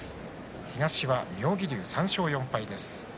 東は妙義龍、３勝４敗です。